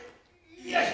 よし。